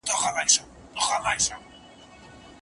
ړوند ډاکټر تر نورو په ګڼ ځای کي اوږده کیسه ښه